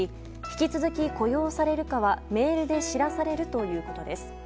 引き続き雇用されるかはメールで知らされるということです。